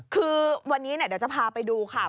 คือวันนี้เดี๋ยวจะพาไปดูค่ะ